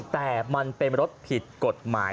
แต่มันเป็นรถผิดกฎหมาย